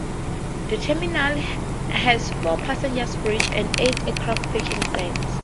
The terminal has four passenger bridges and eight aircraft parking stands.